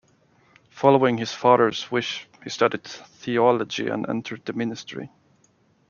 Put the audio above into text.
Following his father's wish, he studied theology and entered the ministry.